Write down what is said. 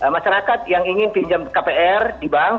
masyarakat yang ingin pinjam kpr di bank